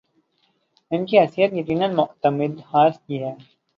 ‘ ان کی حیثیت یقینا معتمد خاص کی ہے۔